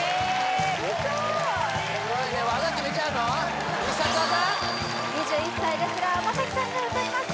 すごいね２１歳レスラー天咲さんが歌います